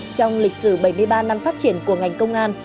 trong lịch sử bảy mươi ba năm phát triển của ngành công an